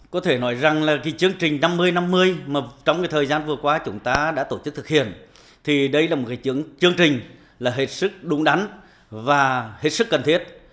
có thể nói rằng là cái chương trình năm mươi năm mươi mà trong cái thời gian vừa qua chúng ta đã tổ chức thực hiện thì đây là một cái chương trình là hết sức đúng đắn và hết sức cần thiết